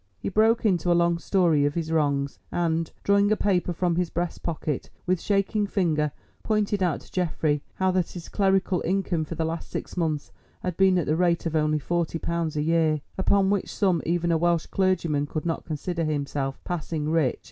He broke into a long story of his wrongs, and, drawing a paper from his breast pocket, with shaking finger pointed out to Geoffrey how that his clerical income for the last six months had been at the rate of only forty pounds a year, upon which sum even a Welsh clergyman could not consider himself passing rich.